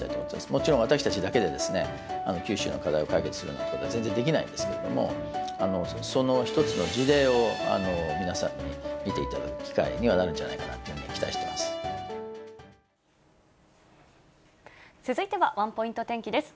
もちろん私たちだけで九州の課題を解決するなんてことは全然できないですけれども、その１つの事例を皆さんに見ていただく機会にはなるんじゃないか続いてはワンポイント天気です。